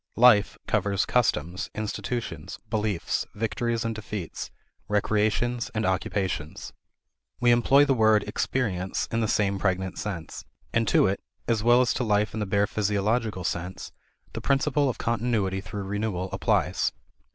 "Life" covers customs, institutions, beliefs, victories and defeats, recreations and occupations. We employ the word "experience" in the same pregnant sense. And to it, as well as to life in the bare physiological sense, the principle of continuity through renewal applies.